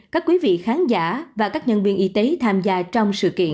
các quý vị khán giả và các nhân viên y tế tham gia trong sự kiện